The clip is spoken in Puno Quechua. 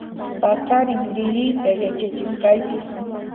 Paqarin liyiyta yachachisqayki